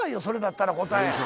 それだったら答え。